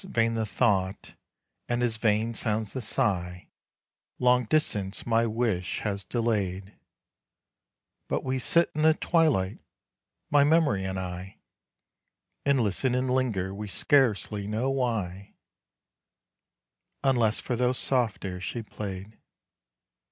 vain the thought, and as vain sounds the sigh, Long distance my wish has delayed; But we sit in the twilight my mem'ry and I And listen and linger, we scarcely know why, Unless for those soft airs she played.